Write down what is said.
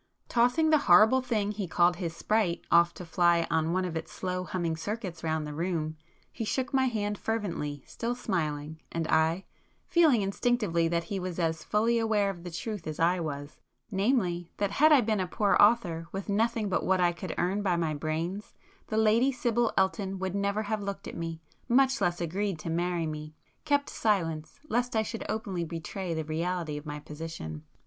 Tossing the horrible thing he called his 'sprite' off to fly on one of its slow humming circuits round the room, he shook my hand fervently, still smiling,—and I,—feeling instinctively that he was as fully aware of the truth as I was, namely, that had I been a poor author with nothing but what I could earn by my brains, the Lady Sibyl Elton would never have looked at me, much less agreed to marry me,—kept silence lest I should openly betray the reality of my position.